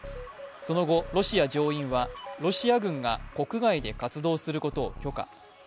その後、ロシア上院はロシア軍が国外で活動することを許可。